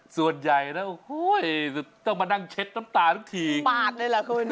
ส่วนใหญ่จะเชื่อ